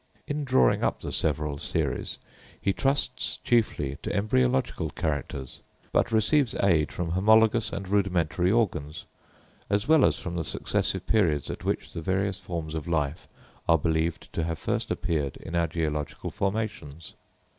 In drawing up the several series he trusts chiefly to embryological characters, but receives aid from homologous and rudimentary organs, as well as from the successive periods at which the various forms of life are believed to have first appeared in our geological formations.